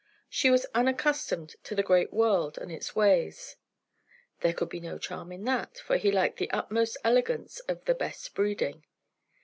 She was unaccustomed to the great world and its ways; there could be no charm in that, for he liked the utmost elegance of the best breeding.